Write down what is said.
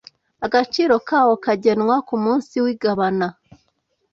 Agaciro kawo kagenwa ku munsi w igabana